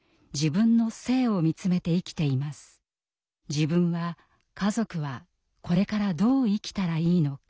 自分は家族はこれからどう生きたらいいのか。